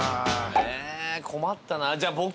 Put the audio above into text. え困ったな。